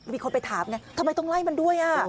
มีคนไปถามเนี่ยทำไมต้องไล่มันด้วยอ่ะ